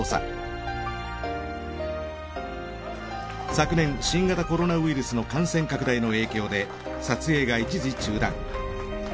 昨年新型コロナウイルスの感染拡大の影響で撮影が一時中断。